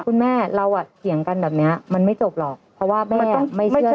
คุณแม่เราอ่ะเถียงกันแบบเนี้ยมันไม่จบหรอกเพราะว่าแม่ไม่เชื่อ